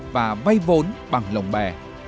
và vay vốn bằng lồng bè